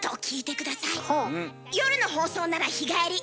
夜の放送なら日帰り。